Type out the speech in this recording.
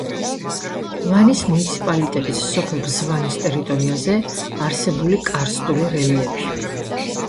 ვანის მუნიციპალიტეტის სოფელ ბზვანის ტერიტორიაზე არსებული კარსტული რელიეფი.